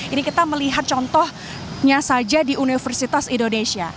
ini kita melihat contohnya saja di universitas indonesia